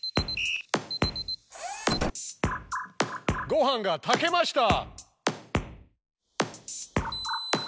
ごはんが炊けました！